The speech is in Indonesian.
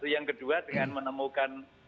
yang kedua dengan menemukan